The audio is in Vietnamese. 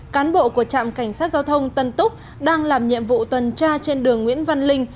cán bộ của trạm cảnh sát giao thông tân túc đang làm nhiệm vụ tuần tra trên đường nguyễn văn linh